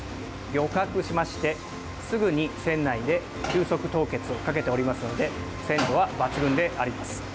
漁獲しまして、すぐに船内で急速凍結をかけておりますので鮮度は抜群であります。